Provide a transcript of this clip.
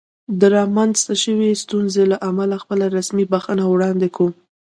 د رامنځته شوې ستونزې له امله خپله رسمي بښنه وړاندې کوم.